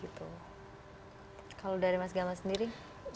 kalau dari mas gamal sendiri